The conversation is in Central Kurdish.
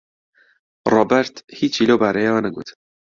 ڕۆبەرت هیچی لەو بارەیەوە نەگوت.